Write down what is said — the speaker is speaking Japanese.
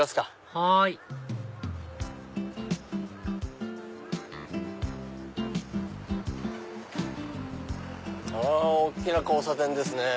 はい大きな交差点ですね。